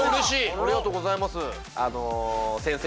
ありがとうございます。